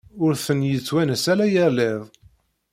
Ur ten-yettwanas ara yal iḍ.